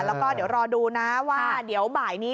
แล้วก็เดี๋ยวรอดูนะว่าเดี๋ยวบ่ายนี้